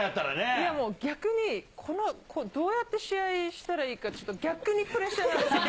いやもう、逆にどうやって試合したらいいか、ちょっと逆にプレッシャーなんですけど。